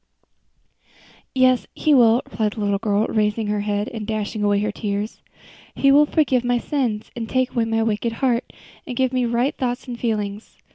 "Yes, He will," replied the little girl, raising her head and dashing away her tears, "He will forgive my sins, and take away my wicked heart, and give me right thoughts and feelings.